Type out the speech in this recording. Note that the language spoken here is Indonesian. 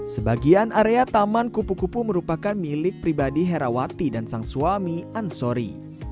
sebagian area taman kupu kupu merupakan milik pribadi herawati dan sang suami ansori